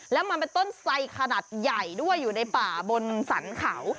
แล้วมันเป็นต้นไสขนาดใหญ่ด้วยอยู่ในป่าบนสรรเขา